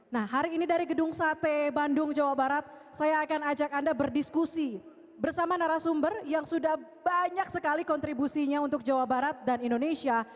nah hari ini dari gedung sate bandung jawa barat saya akan ajak anda berdiskusi bersama narasumber yang sudah banyak sekali kontribusinya untuk jawa barat dan indonesia